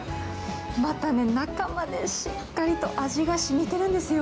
また中までしっかりと味がしみてるんですよ。